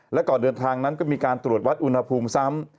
และก่อนเดินทางนั้นก็มีการตรวจวัดอุณหภูมิซ้ำ